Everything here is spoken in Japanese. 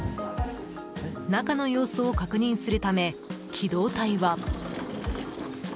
中の様子を確認するため機動隊は。